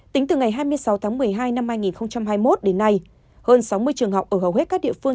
tính từ ngày hai mươi sáu tháng một mươi hai năm hai nghìn hai mươi một đến nay hơn sáu mươi trường học ở hầu hết các địa phương